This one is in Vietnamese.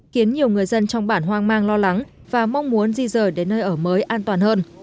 khiến nhiều người dân trong bản hoang mang lo lắng và mong muốn di rời đến nơi ở mới an toàn hơn